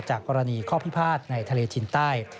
กรณีข้อพิพาทในทะเลจินใต้